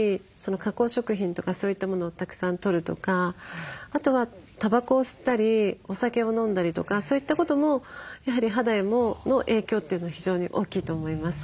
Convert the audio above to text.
加工食品とかそういったものをたくさんとるとかあとはタバコを吸ったりお酒を飲んだりとかそういったこともやはり肌への影響というのは非常に大きいと思います。